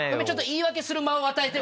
言い訳する間を与えて。